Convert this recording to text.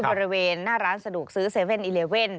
บริเวณหน้าร้านสะดวกซื้อ๗๑๑